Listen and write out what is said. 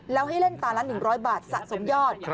แล้วให้เล่นตาละ๑๐๐บาทสะสมยอด